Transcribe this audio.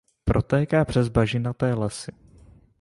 Protéká přes bažinaté lesy.